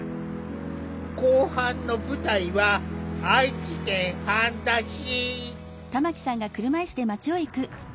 後半の舞台は愛知県半田市。